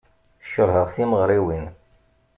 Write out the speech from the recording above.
Keṛheɣ timeɣriwin.